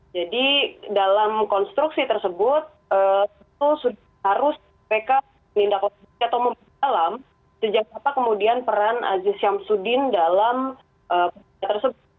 jadi dalam konstruksi tersebut harus mereka menindakkan atau memperdalam sejak apa kemudian peran aziz samsudin dalam perbuatan tersebut